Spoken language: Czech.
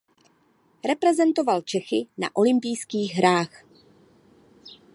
Reprezentoval Čechy na Olympijských hrách.